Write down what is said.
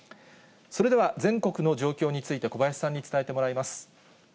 それでは全国の状況について、小林さんに伝えてもらいます。